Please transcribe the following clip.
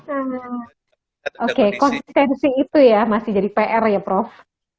oke konsistensi itu ya masih jadi pr ya prof